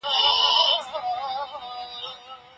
عدالت د اسلامي ټولنې ځانګړتيا ده.